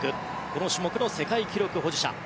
この種目の世界記録保持者。